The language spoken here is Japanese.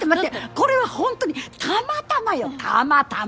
これはホントにたまたまよたまたま！